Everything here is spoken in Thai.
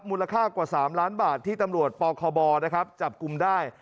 มูลค่ากว่า๓ล้านบาทที่ตำรวจปคบนะครับจับกลุ่มได้